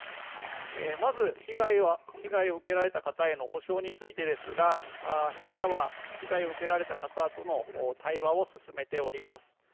まず、被害を受けられた方への補償についてですが弊社は被害を受けられた方との対話を進めております。